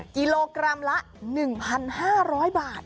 กิโลกรัมละ๑๕๐๐บาท